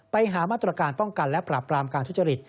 ไปหามาตรการป้องกันและปราบปรามการทุจริต